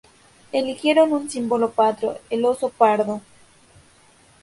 Eligieron un símbolo patrio, el oso pardo.